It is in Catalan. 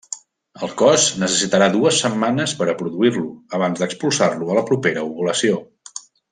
El cos necessitarà dues setmanes per a produir-lo abans d'expulsar-lo a la propera ovulació.